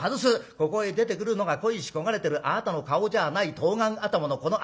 ここへ出てくるのが恋し焦がれてるあなたの顔じゃない冬瓜頭のこの私だ。